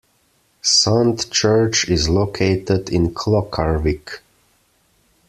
Sund Church is located in Klokkarvik.